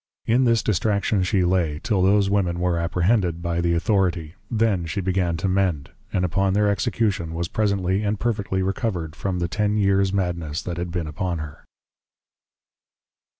In this Distraction she lay, till those women were Apprehended, by the Authority; then she began to mend; and upon their Execution, was presently and perfectly Recovered, from the ten years madness that had been upon her.